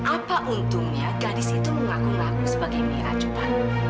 apa untungnya gadis itu mau laku laku sebagai mira coba